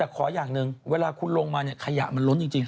แต่ขออย่างหนึ่งเวลาคุณลงมาเนี่ยขยะมันล้นจริง